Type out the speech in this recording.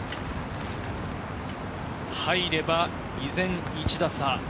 入れば、依然１打差。